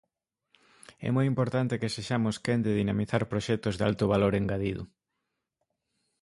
É moi importante que sexamos quen de dinamizar proxectos de alto valor engadido.